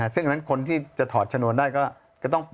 ซึ่งอันนั้นคนที่จะถอดชนวนได้ก็จะต้อง